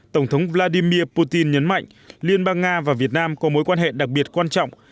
tổng thống vladimir putin nhấn mạnh liên bang nga và việt nam có mối quan hệ đặc biệt quan trọng